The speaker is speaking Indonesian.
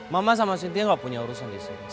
mama sama sintia gak punya urusan disini